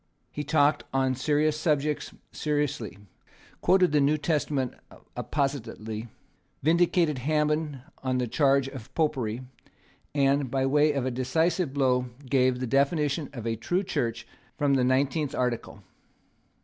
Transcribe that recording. He talked on serious subjects seriously, quoted the New Testament appositely, vindicated Hammond from the charge of popery, and, by way of a decisive blow, gave the definition of a true Church from the nineteenth Article.